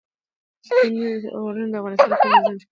ستوني غرونه د افغانستان د اقلیمي نظام ښکارندوی ده.